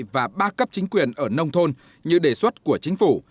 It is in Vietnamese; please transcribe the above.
và ba cấp chính quyền ở nông thôn như đề xuất của chính phủ